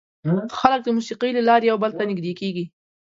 خلک د موسیقۍ له لارې یو بل ته نږدې کېږي.